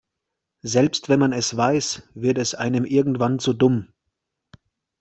Selbst wenn man es weiß, wird es einem irgendwann zu dumm.